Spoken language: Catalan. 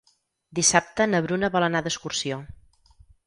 Dissabte na Bruna vol anar d'excursió.